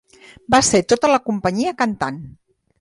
Va ser tota la companyia cantant.